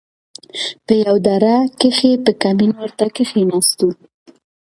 په يوه دره کښې په کمين ورته کښېناستو.